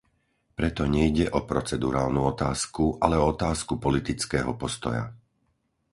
Preto nejde o procedurálnu otázku, ale o otázku politického postoja.